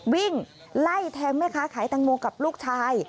วิ่งไล่แทงแม่ค้าขายแตงโมกับลูกชาย